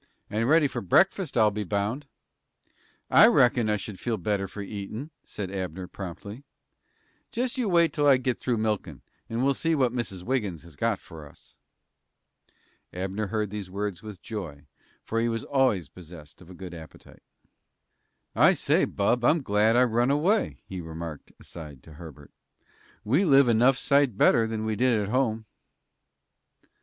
"And ready for breakfast, I'll be bound." "I reckon I should feel better for eatin'," said Abner, promptly. "Jest you wait till I get through milkin', and we'll see what Mrs. Wiggins has got for us." Abner heard these words with joy, for he was always possessed of a good appetite. "I say, bub, I'm glad I run away," he remarked, aside, to Herbert. "We live enough sight better than we did at home."